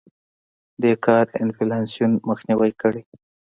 دې کار انفلاسیون مخنیوی کړی.